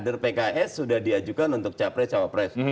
sembilan kader pks sudah diajukan untuk capres capapres